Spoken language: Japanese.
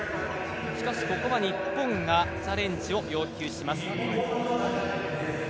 しかし、ここは日本がチャレンジを要求します。